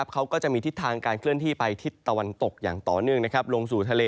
เขาก็จะมีทิศทางการเคลื่อนที่ไปทิศตะวันตกอย่างต่อเนื่องลงสู่ทะเล